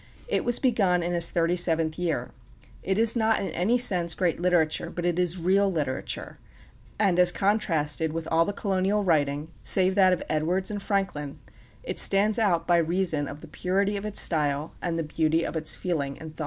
It was begun in his thirty seventh year. It is not in any sense great literature; but it is real literature, and as contrasted with all the colonial writing, save that of Edwards and Franklin, it stands out by reason of the purity of its style and the beauty of its feeling and thought.